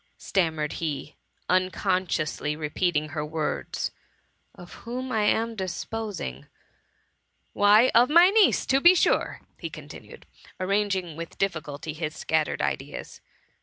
^* stammered he, unconsciously repeating her words, " Of whom I am disposing ? Why, of my niece, to be sure,^ he continued, arranging with difficulty his scattered ideas.